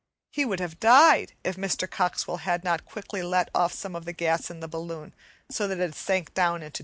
He would have died if Mr. Coxwell had not quickly let off some of the gas in the balloon, so that it sank down into denser air.